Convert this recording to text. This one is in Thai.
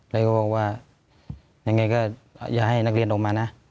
แล้วก็บอกว่ายังไงก็อย่าให้นักเรียนออกมานะ